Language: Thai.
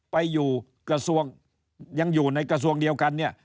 ไปอยู่กระทรวงยังอยู่ในกระทรวงเดียวกันเนี่ย